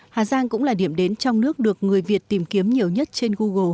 hà giang cũng là điểm đến trong nước được người việt tìm kiếm nhiều nhất trên google